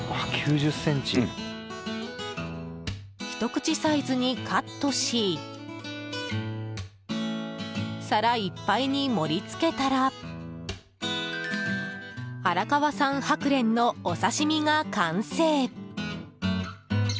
ひと口サイズにカットし皿いっぱいに盛り付けたら荒川産ハクレンのお刺し身が完成。